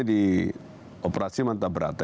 di operasi manta berat